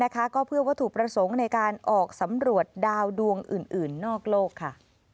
ก็เพื่อวัตถุประสงค์ในการออกสำรวจดาวดวงอื่นนอกโลกค่ะ